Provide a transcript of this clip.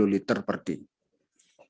liter per day